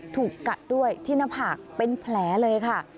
ถูกกัดด้วยที่หน้าผากเป็นแผลเลยค่ะ